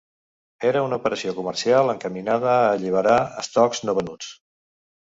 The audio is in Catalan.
Era una operació comercial encaminada a alliberar estocs no venuts.